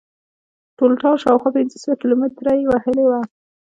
ټولټال شاوخوا پنځه سوه کیلومتره یې وهلې وه.